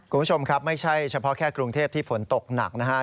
คุณผู้ชมครับไม่ใช่เฉพาะแค่กรุงเทพที่ฝนตกหนักนะฮะ